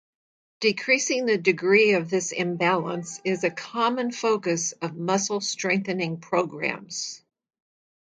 Decreasing the degree of this imbalance is a common focus of muscle strengthening programs.